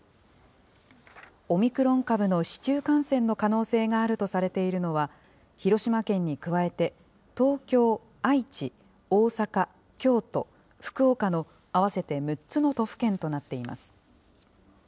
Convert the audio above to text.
オミクロン株の市中感染の可能性があるとされているのは、広島県に加えて東京、愛知、大阪、京都、福岡の合わせて６つの都府県となっています。